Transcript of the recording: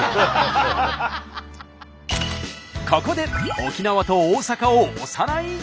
ここで沖縄と大阪をおさらい。